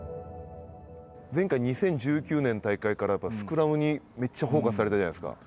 前回、２０１９年の大会からスクラムにめっちゃフォーカスされたじゃないですか。